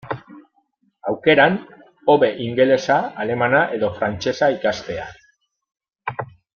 Aukeran, hobe ingelesa, alemana edo frantsesa ikastea.